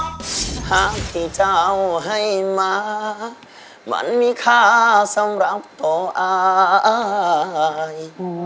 หากที่เจ้าให้มามันมีค่าสำหรับต่ออาย